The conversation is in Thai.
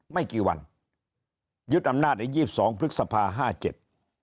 ไม่กี่วันยึดอำนาจในยี่สิบสองพฤษภาห้าเจ็ด